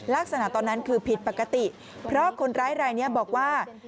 ลักษณะตอนนั้นคือผิดปกติเพราะคนร้ายรายนี้บอกว่า